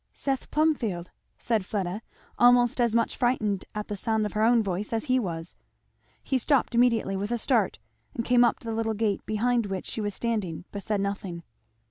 "Seth Plumfield!" said Fleda, almost as much frightened at the sound of her own voice as he was. He stopped immediately, with a start, and came up to the little gate behind which she was standing. But said nothing.